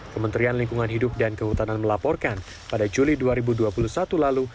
kementerian lingkungan hidup dan kehutanan melaporkan pada juli dua ribu dua puluh satu lalu